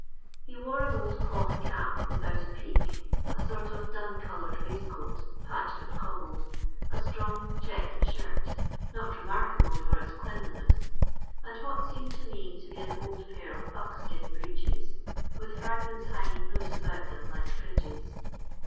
He wore an old cloth cap without a peak, a sort of dun coloured wnistcoat, patched and cobbled, a strong check shirt, not remarkable for its dean* liness, and what seemed to mo to be an old pair of buckskin breeches, with fragments hanging loose about them like fringes.